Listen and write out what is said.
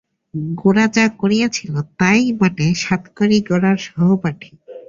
গোরা যা মনে করিয়াছিল তাই বটে– সাতকড়ি গোরার সহপাঠী।